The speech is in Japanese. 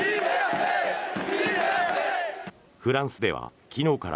フランスでは昨日から